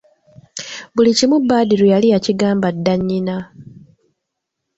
Buli kimu Badru yali yakigamba dda nnyina.